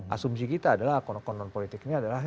asumsi kita adalah akun akun non politik ini adalah